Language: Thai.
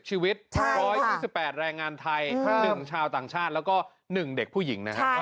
ชีวิต๑๒๘แรงงานไทย๑ชาวต่างชาติแล้วก็๑เด็กผู้หญิงนะครับ